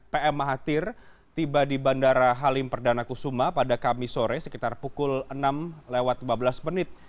pm mahathir tiba di bandara halim perdana kusuma pada kamis sore sekitar pukul enam lewat lima belas menit